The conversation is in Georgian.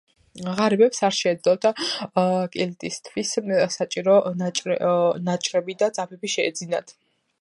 ღარიბებს არ შეეძლოთ კილტისთვის საჭირო ნაჭრები და ძაფები შეეძინათ.